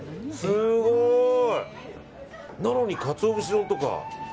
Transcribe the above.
すごい！なのにカツオ節丼とか。